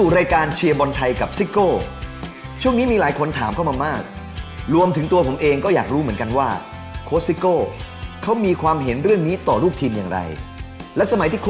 เราจะเชียร์บอลไทยเพื่อคนไทย